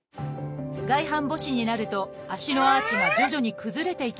外反母趾になると足のアーチが徐々に崩れていきます。